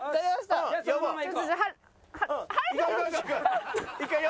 はい。